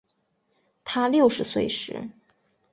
她六十岁时